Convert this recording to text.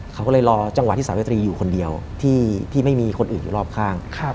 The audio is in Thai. เขาก็เลยรอจังหวะที่สาวิตรีอยู่คนเดียวที่ไม่มีคนอื่นอยู่รอบข้าง